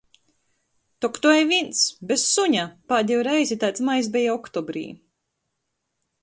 Tok tu ej vīns. Bez suņa! Pādejū reizi taids majs beja oktobrī!...